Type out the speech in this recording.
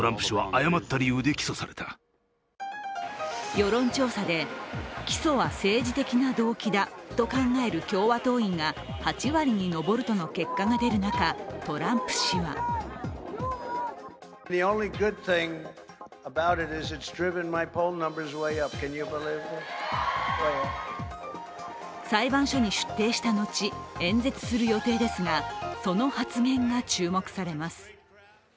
世論調査で、起訴は政治的な動機だと考える共和党員が８割に上るとの結果が出る中トランプ氏は裁判所に出廷した後、演説する予定ですが、その発言が注目されます。